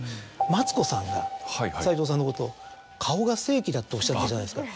マツコさんが斎藤さんのことを。っておっしゃったじゃないですか。